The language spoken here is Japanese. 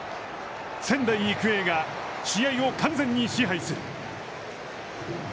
仙台育英が試合を完全に支配する。